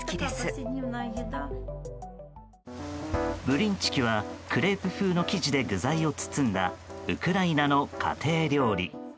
ブリンチキはクレープ風の生地で具材を包んだウクライナの家庭料理。